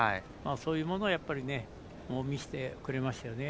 そういうものを見せてくれましたね。